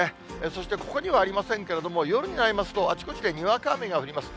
そしてここにはありませんけれども、夜になりますと、あちこちでにわか雨が降ります。